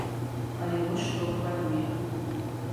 Але вось што хвалюе.